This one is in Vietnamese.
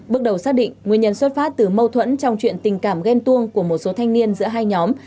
bước đầu xác định nguyên nhân xuất phát từ mâu thuẫn trong chuyện tình cảm ghen tuông của một số thanh niên giữa hai nhóm